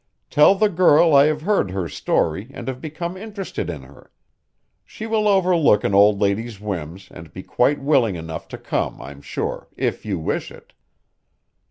Tell the girl I have heard her story and have become interested in her. She will overlook an old lady's whims and be quite willing enough to come, I'm sure, if you wish it."